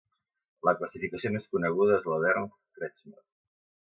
La classificació més coneguda és la d'Ernst Kretschmer.